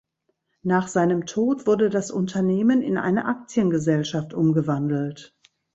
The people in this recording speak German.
Nach seinem Tod wurde das Unternehmen in eine Aktiengesellschaft umgewandelt.